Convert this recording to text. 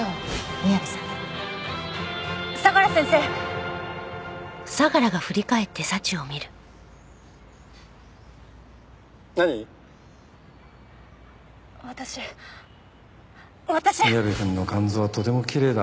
宮部くんの肝臓はとてもきれいだ。